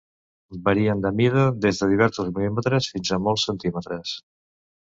Varien de mida des de diversos mil·límetres fins a molts centímetres.